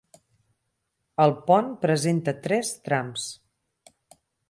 El pont presenta tres trams.